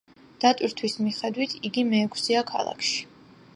დატვირთვის მიხედვით, იგი მეექვსეა ქალაქში.